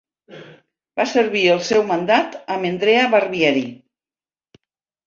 Va servir el seu mandat amb Andrea Barbieri.